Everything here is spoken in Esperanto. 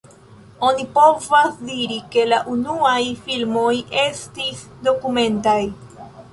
Oni povas diri ke la unuaj filmoj estis dokumentaj.